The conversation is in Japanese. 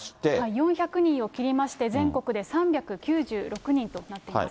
４００人を切りまして、全国で３９６人となっています。